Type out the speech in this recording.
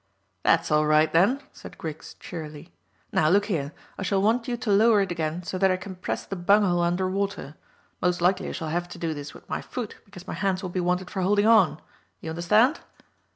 "That's all right, then," said Griggs cheerily. "Now, look here, I shall want you to lower it again so that I can press the bung hole under water. Most likely I shall have to do this with my foot, because my hands will be wanted for holding on. You understand?"